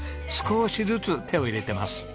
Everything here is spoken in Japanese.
少しずつ手を入れてます。